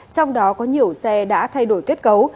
trong đó có nhiều xe đã thay đổi kết cấu